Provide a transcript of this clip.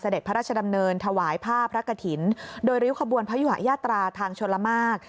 โดยริวขบวนพยุหยาตราทางชลมาก